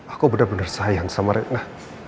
aku bener bener sayang sama reina